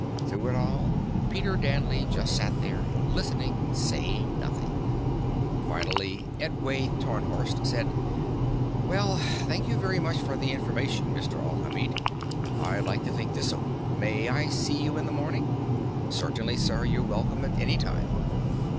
Through it all, Peter Danley just sat there, listening, saying nothing. Finally, Edway Tarnhorst said: "Well, thank you very much for your information, Mr. Alhamid. I'd like to think this over. May I see you in the morning?" "Certainly, sir. You're welcome at any time."